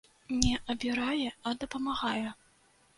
Не абірае, а дапамагае.